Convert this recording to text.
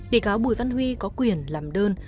địa cáo bùi văn huy có quyền làm đơn